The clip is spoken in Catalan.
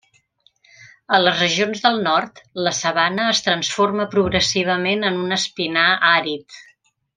A les regions del nord, la sabana es transforma progressivament en un espinar àrid.